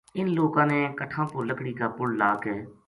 اِنھ لوکاں نے کَٹھاں پو لکڑی کا پل لا کے